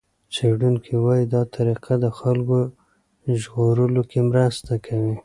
څېړونکي وايي دا طریقه د خلکو ژغورلو کې مرسته کوي.